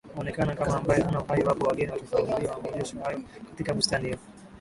Huonekana kama ambaye hana Uhai iwapo wageni watakaohudhuria maonyesho hayo katika bustani hiyo